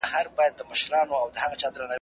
دا قلم تر هغه بل قلم ښه ليکنه کوي.